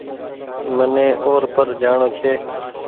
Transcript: مني او پر جآڻو ڇي